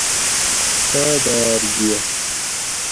"څاداۤر گِھیہ"""